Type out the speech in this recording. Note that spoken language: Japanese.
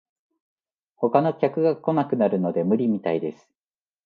他の客が来なくなるので無理みたいです